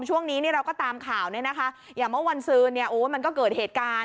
ช่วงนี้เราก็ตามข่าวอย่างว่าวันซื้อมันก็เกิดเหตุการณ์